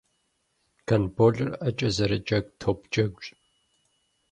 Гандболыр ӏэкӏэ зэрыджэгу топ джэгущ.